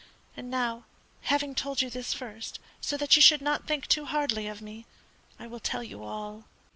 And now, having told you this first, so that you should not think too hardly of me, I will tell you all."